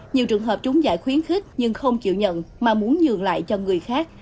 nhiều trường hợp chúng giải khuyến khích nhưng không chịu nhận mà muốn nhường lại cho người khác